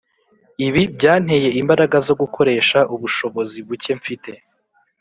Ibi byanteye imbaraga zo gukoresha ubushobozi buke mfite